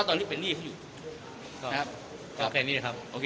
ตอนนี้เป็นหนี้เขาอยู่